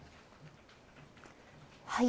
はい。